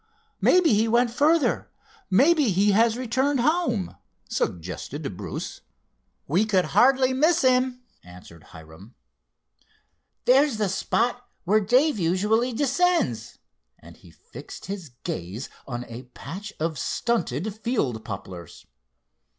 "Maybe he went further—maybe he has returned home," suggested Bruce. "We could hardly miss him," answered Hiram. "There's the spot where Dave usually descends," and he fixed his glance on a patch of stunted field poplars.